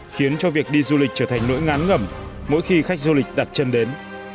khiến cho việc đi du lịch trở thành nỗi ngán ngẩm mỗi khi khách du lịch đặt chân đến